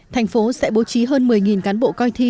thành phố sẽ bố trí hơn một mươi cán bộ coi thi